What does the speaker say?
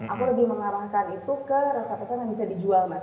aku lebih mengarahkan itu ke resep resep yang bisa dijual mas